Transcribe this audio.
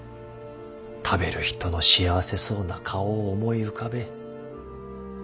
食べる人の幸せそうな顔を思い浮かべえ。